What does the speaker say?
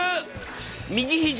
右ひじ